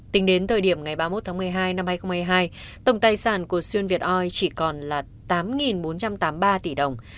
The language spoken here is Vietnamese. tính đến thời điểm ngày ba mươi một tháng một mươi hai năm hai nghìn hai mươi hai tổng tài sản của xuyên việt oi chỉ còn là tám bốn trăm tám mươi ba tỷ đồng